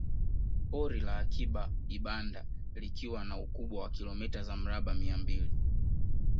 Pori la Akiba Ibanda likiwa na ukubwa wa kilomita za mraba mia mbili